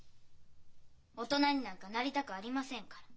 大人になんかなりたくありませんから。